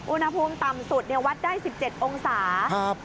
อุณหภูมิต่ำสุดวัดได้๑๗องศา